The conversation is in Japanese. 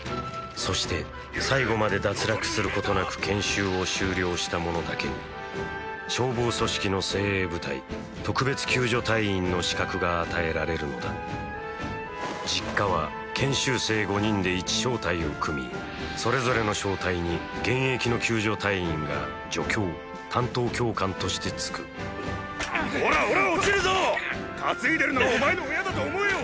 そして最後まで脱落することなく研修を修了した者だけに消防組織の精鋭部隊特別救助隊員の「資格」が与えられるのだ実科は研修生５人で１小隊を組みそれぞれの小隊に現役の救助隊員が助教担当教官として付くオラオラ落ちるぞォ！かついでるのはお前の親だと思えよ。